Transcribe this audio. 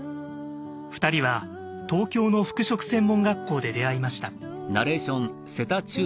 ２人は東京の服飾専門学校で出会いました。